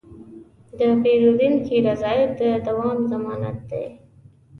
د پیرودونکي رضایت د دوام ضمانت دی.